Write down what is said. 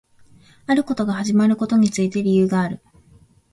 あることが始まることについて理由がある